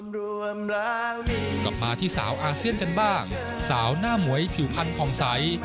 กลับมาที่สาวอาเซียนกันบ้างสาวหน้าหมวยผิวพันธ์ภอมไซค์